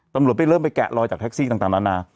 ตำรวจไปเริ่มไปแกะรอยจากแท็กซี่ต่างนานา